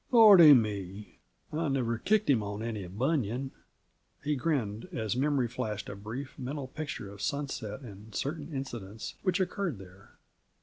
Lordy me! I never kicked him on any bunion!" He grinned, as memory flashed a brief, mental picture of Sunset and certain incidents which occurred there.